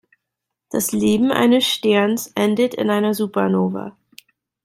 Das Leben eines Sterns endet in einer Supernova.